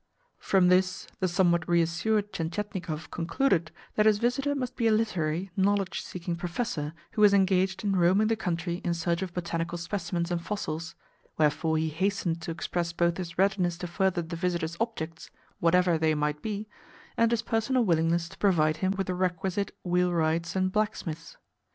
From this the somewhat reassured Tientietnikov concluded that his visitor must be a literary, knowledge seeking professor who was engaged in roaming the country in search of botanical specimens and fossils; wherefore he hastened to express both his readiness to further the visitor's objects (whatever they might be) and his personal willingness to provide him with the requisite wheelwrights and blacksmiths.